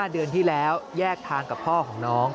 เดือนที่แล้วแยกทางกับพ่อของน้อง